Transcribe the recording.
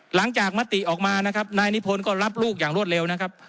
มติออกมานะครับนายนิพนธ์ก็รับลูกอย่างรวดเร็วนะครับ